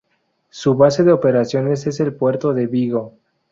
Su base de operaciones es el puerto de Vigo.